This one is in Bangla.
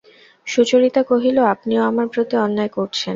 সুচরিতা কহিল, আপনিও আমার প্রতি অন্যায় করছেন।